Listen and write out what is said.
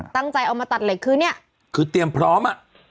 ตั้งใจเอามาตัดเหล็กคือเนี่ยคือเตรียมพร้อมอ่ะ